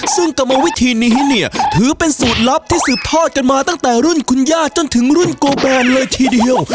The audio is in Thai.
ซึ่งกรรมวิธีนี้เนี่ยถือเป็นสูตรลับที่สืบทอดกันมาตั้งแต่รุ่นคุณย่าจนถึงรุ่นโกแบนเลยทีเดียว